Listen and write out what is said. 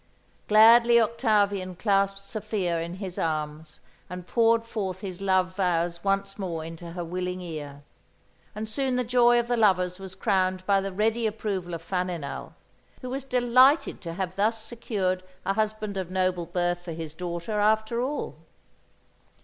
Gladly Octavian clasped Sophia in his arms and poured forth his love vows once more into her willing ear; and soon the joy of the lovers was crowned by the ready approval of Faninal, who was delighted to have thus secured a husband of noble birth for his daughter, after all.